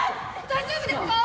大丈夫ですか！？